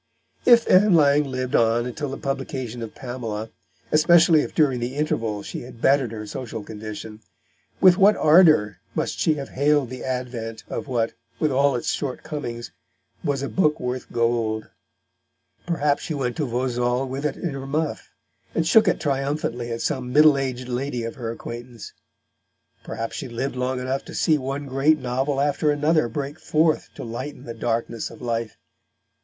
If Ann Lang lived on until the publication of Pamela especially if during the interval she had bettered her social condition with what ardour must she have hailed the advent of what, with all its shortcomings, was a book worth gold. Perhaps she went to Vauxhall with it in her muff, and shook it triumphantly at some middle aged lady of her acquaintance. Perhaps she lived long enough to see one great novel after another break forth to lighten the darkness of life.